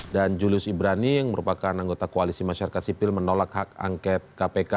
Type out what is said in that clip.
dan julius ibrani yang merupakan anggota koalisi masyarakat sipil menolak hak angket kpk